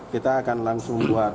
kita akan langsung berhubungan